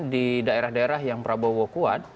di daerah daerah yang prabowo kuat